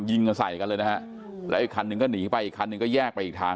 ยิงรัวและดังมากประมาณ